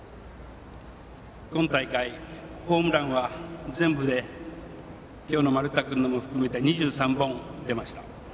今大会、ホームランは全部で今日の丸田君のを含めて２３本出ました。